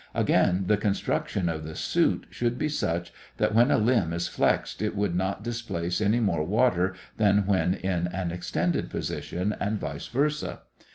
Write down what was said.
Again, the construction of the suit should be such that when a limb is flexed it would not displace any more water than when in an extended position, and vice versa.